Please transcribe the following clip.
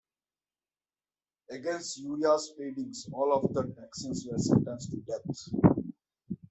Against Urrea's pleadings, all of the Texians were sentenced to death.